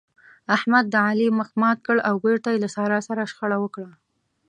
احمد د علي مخ مات کړ او بېرته يې له سارا سره شخړه وکړه.